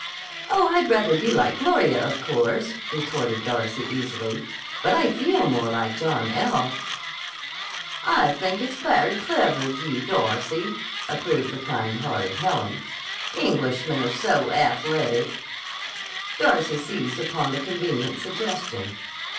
"Oh, I'd rather be like Gloria, of course," retorted Darcy easily. "But I feel more like John L." "I think it very clever of you, Darcy," approved the kind hearted Helen. "Englishmen are so athletic." Darcy seized upon the convenient suggestion.